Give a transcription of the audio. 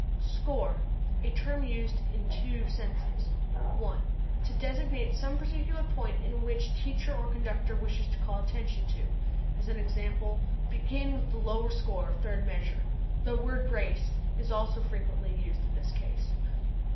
Score a term used in two senses: 1. To designate some particular point to which teacher or conductor wishes to call attention; as e.g., "Begin with the lower score, third measure." The word brace is also frequently used in this sense.